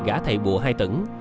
gã thầy bùa hai tửng